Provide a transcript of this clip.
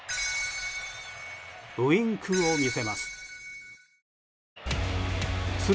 ウィンクを見せます。